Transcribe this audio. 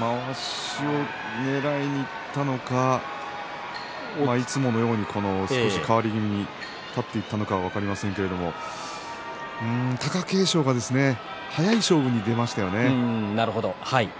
まわしをねらいにいったのかいつものように少し変わり気味に立っていったのかは分かりませんけれど貴景勝が早い勝負に出ましたよね。